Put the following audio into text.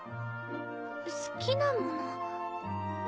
すきなもの